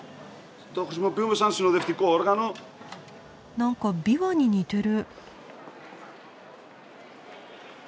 何か琵琶に似てる。